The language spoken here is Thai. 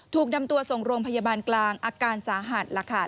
ถูกนำตัวส่งโรงพยาบาลกลางอาการสาหัสล่ะค่ะ